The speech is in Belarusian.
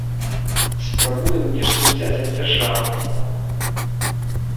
Спрабуем нешта ўзяць ад дзяржавы, во!